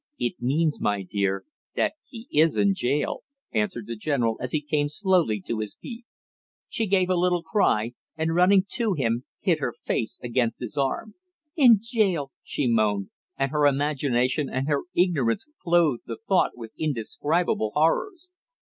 "It means, my dear, that he is in jail," answered the general as he came slowly to his feet. She gave a little cry, and running to him hid her face against his arm. "In jail!" she moaned, and her imagination and her ignorance clothed the thought with indescribable horrors.